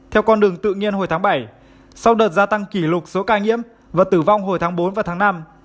theo con đường tự nhiên hồi tháng bảy sau đợt gia tăng kỷ lục số ca nhiễm và tử vong hồi tháng bốn và tháng năm